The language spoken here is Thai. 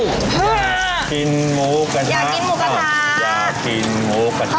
ฮืออยากกินหมูกระทะครับครับอยากกินหมูกระทะ